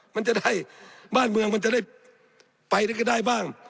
มันจะได้บ้านเมืองมันจะได้ไปได้บ้าง